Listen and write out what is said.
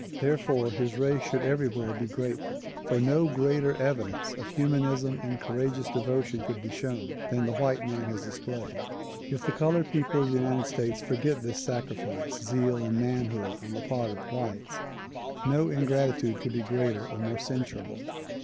Therefore his race should everywhere be grateful, for no greater evidence of humanism and courageous devotion could be shown than the white man has displayed. If the colored people of the United States forget this sacrifice, zeal and manhood on the part of the whites no ingratitude could be greater or more censurable.